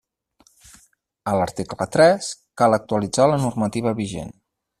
A l'article tres, cal actualitzar la normativa vigent.